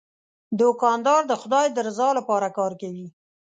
دوکاندار د خدای د رضا لپاره کار کوي.